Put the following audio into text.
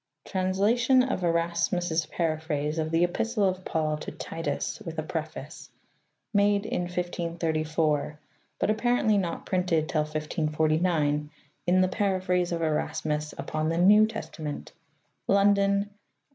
7. Translation of Erasmus' Paraphrase of the Epistle of Paul to Titus, with a Preface. Made in 1534 (see supra p. 13), but appar ently not printed till 1549, in "The Paraphrase of Erasmus vpon the newcTestamente," London, Edw.